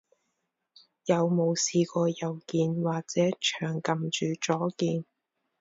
有冇試過右鍵，或者長撳住左鍵？